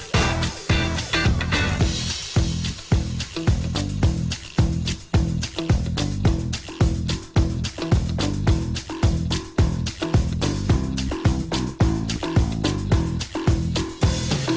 โปรดติดตามตอนต่อไป